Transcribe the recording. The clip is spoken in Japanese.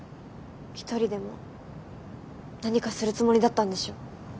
一人でも何かするつもりだったんでしょ。